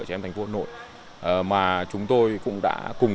trẻ em thành phố hà nội mà chúng tôi cũng đã cùng